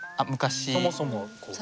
そもそもこう。